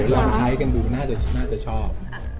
มาให้กันดูน่าจะชอบ